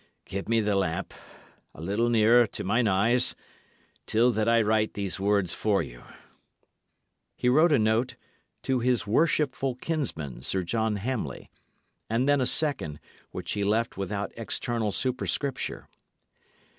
Give me the lamp a little nearer to mine eyes, till that I write these words for you." He wrote a note "to his worshipful kinsman, Sir John Hamley;" and then a second, which he left without external superscripture.